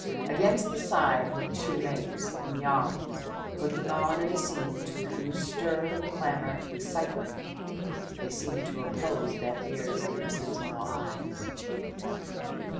Against the side were the two mates and Jans looking on at a scene to whose stir, clamour, excite ment, they seemed to oppose deaf ears and insensible eyes.